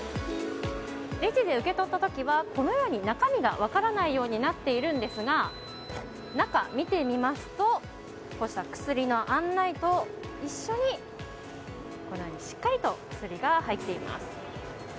レジで受け取った時はこのように中身が分からないようになっているんですが中を見てみますとこうした薬の案内と一緒にこのようにしっかりと薬が入っています。